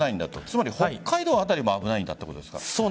つまり北海道辺りも危ないということですか？